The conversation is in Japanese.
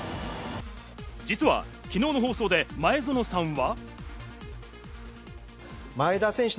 実は昨日の放送で前園さんは。